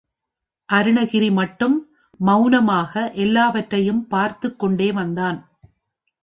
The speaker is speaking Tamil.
அருணகிரி மட்டும் மவுனமாக எல்லாவற்றையும் பார்த்துக் கொண்டே வந்தான்.